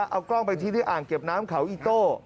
เอากล้องไปทิ้งที่อ่างเก็บน้ำเขาอีโต้